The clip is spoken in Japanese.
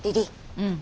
うん。